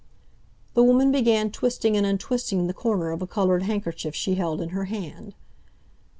The woman began twisting and untwisting the corner of a coloured handkerchief she held in her hand.